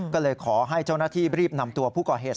ก็เลยขอให้เจ้าหน้าที่รีบนำตัวผู้ก่อเหตุ